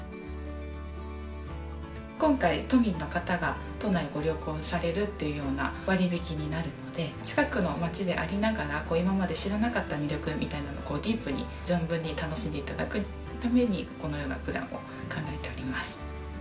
今回、都民の方が都内ご旅行されるっていうような割り引きになるので、近くの街でありながら、今まで知らなかった魅力みたいなところをディープに、存分に楽しんでいただくために、このようなプランを考えております。